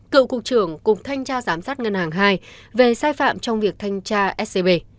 cựu cục trường cùng thanh tra giám sát ngân hàng hai về sai phạm trong việc thanh tra scb